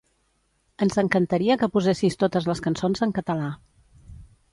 Ens encantaria que posessis totes les cançons en català.